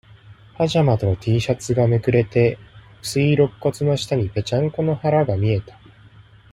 パジャマとティーシャツがめくれて、薄い肋骨の下に、ぺちゃんこの腹が見えた。